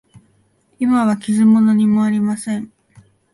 今は傷も何もありません。